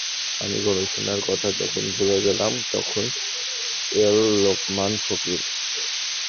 আমি গবেষণার কথা যখন ভুলে গেলাম, তখন এল লোকমান ফকির।